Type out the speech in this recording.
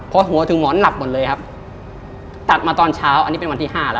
เพราะหัวถึงหอนหลับหมดเลยครับ